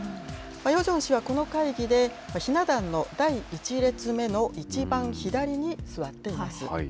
ヨジョン氏はこの会議でひな壇の第１列目の一番左に座っています。